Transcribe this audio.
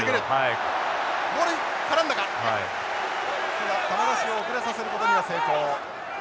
ただ球出しを遅れさせることには成功。